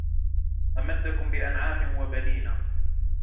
أَمَدَّكُمْ بِأَنْعَامٍ وَبَنِينَ